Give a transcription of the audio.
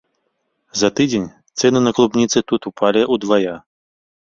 За тыдзень цэны на клубніцы тут упалі ўдвая.